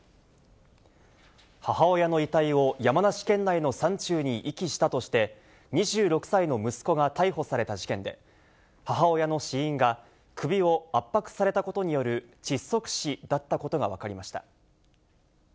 母親の遺体を山梨県内の山中に遺棄したとして、２６歳の息子が逮捕された事件で、母親の死因が、首を圧迫されたことによる窒息死だったことが分かりました。